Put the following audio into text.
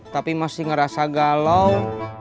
tapi masih ngerasa galau